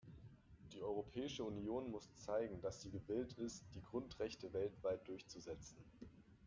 Die Europäische Union muss zeigen, dass sie gewillt ist, die Grundrechte weltweit durchzusetzen.